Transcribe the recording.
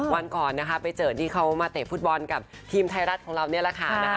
วันก่อนไปเจอที่เขามาเตะฟุตบอลกับทีมไทยรัฐของเรา